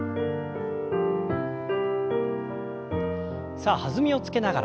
さあ弾みをつけながら。